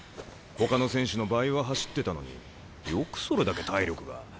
ほかの選手の倍は走ってたのによくそれだけ体力が。